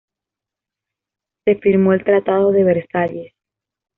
Se firmó el Tratado de Versalles.